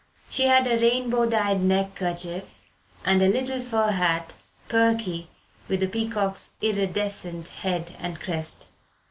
She had a rainbow dyed neckerchief and a little fur hat, perky with a peacock's iridescent head and crest.